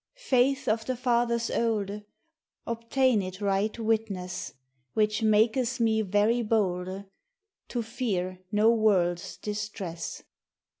Faithe of the fathers olde Obtained right witness, Which makes me verve bolde To fear no worldes distress.